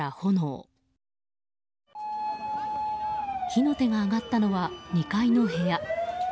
火の手が上がったのは２階の部屋。